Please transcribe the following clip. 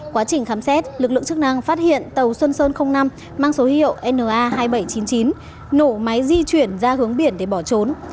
quá trình khám xét lực lượng chức năng phát hiện tàu xuân sơn năm mang số hiệu na hai nghìn bảy trăm chín mươi chín nổ máy di chuyển ra hướng biển để bỏ trốn